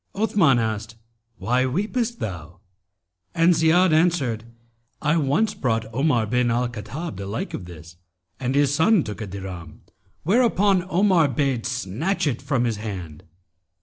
Othman asked 'Why weepest thou?'; and Ziyad answered, 'I once brought Omar bin al Khattab the like of this and his son took a dirham, whereupon Omar bade snatch it from his hand.